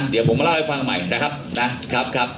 เดี๋ยวผมมาเล่าให้ฟังใหม่นะครับ